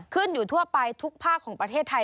ขึ้นอยู่ทั่วไปทุกภาคของประเทศไทย